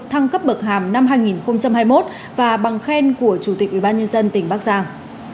thăng cấp bậc hàm năm hai nghìn hai mươi một và bằng khen của chủ tịch ubnd tỉnh bắc giang